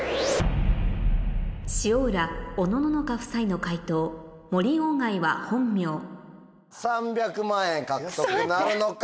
塩浦・おのののか夫妻の解答森外は本名３００万円獲得なるのか？